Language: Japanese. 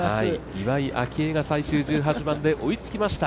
岩井明愛が最終１８番で追いつきました。